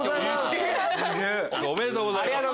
地君おめでとうございます。